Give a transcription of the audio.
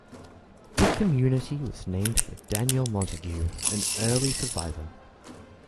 The community was named for Daniel Montague, an early surveyor.